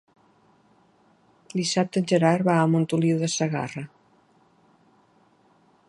Dissabte en Gerard va a Montoliu de Segarra.